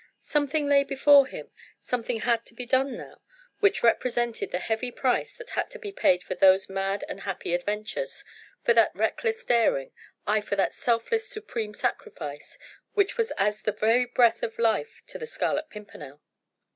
Something lay before him, something had to be done now, which represented the heavy price that had to be paid for those mad and happy adventures, for that reckless daring, aye for that selfless supreme sacrifice which was as the very breath of life to the Scarlet Pimpernel.